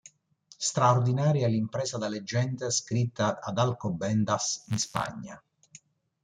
Straordinaria l'impresa da leggenda scritta ad Alcobendas, in Spagna.